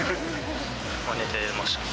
寝てました。